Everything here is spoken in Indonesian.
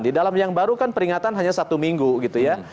di dalam yang baru kan peringatan hanya satu minggu gitu ya